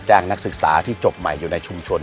นักศึกษาที่จบใหม่อยู่ในชุมชน